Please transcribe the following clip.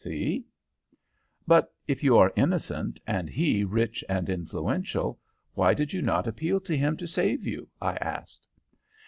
See?" "But if you are innocent and he rich and influential, why did you not appeal to him to save you?" I asked.